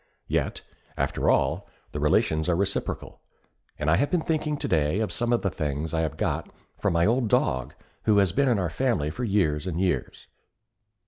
Yet, after all, the relations are reciprocal; and I have been thinking today of some of the things I have got from an old dog who has been in our family for years and years.